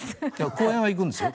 公園は行くんですよ。